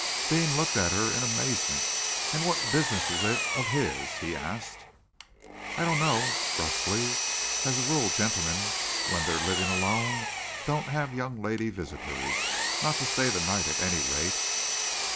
Deane looked at her in amazement. "And what business is it of his?" he asked. "I don't know," brusquely. "As a rule, gentlemen when they're living alone don't have young lady visitors, not to stay the night, at any rate."